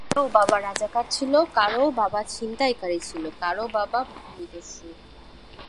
এদের কারও বাবা রাজাকার ছিল, কারও বাবা ছিনতাইকারী ছিল, কারও বাবা ভূমিদস্যু।